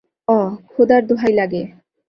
অহ, খোদার দোহাই লাগে!